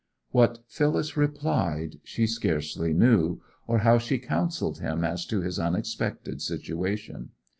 What Phyllis replied she scarcely knew, or how she counselled him as to his unexpected situation.